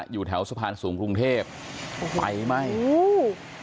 อยู่แถวสะพันธ์สูงครุงเทพไปไหมอุโห